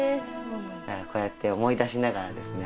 こうやって思い出しながらですね